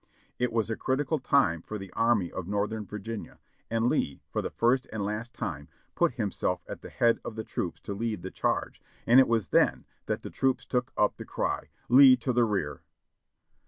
It was a critical time for the Army of Northern Virginia, and Lee, for the first and last time, put himself at the head of the troops to lead the charge, and it was then that the troops took up the cry, "Lee to the rear!"